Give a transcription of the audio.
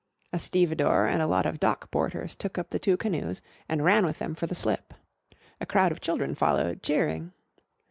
A stevedore and a lot of dock porters took up the two canoes, and ran with them for the slip. A crowd of children followed cheering.